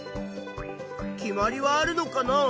決まりはあるのかな？